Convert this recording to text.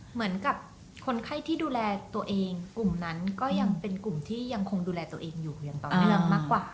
เหมือนกับคนไข้ที่ดูแลตัวเองกลุ่มนั้นก็ยังเป็นกลุ่มที่ยังคงดูแลตัวเองอยู่อย่างต่อเนื่องมากกว่า